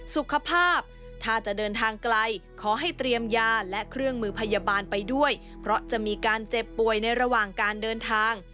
สุขภาพถ้าจะเดินทางไกลขอให้เตรียมยาและเครื่องมือพยาบาลไปด้วยเพราะจะมีการเจ็บป่วยในระหว่างการเดินทาง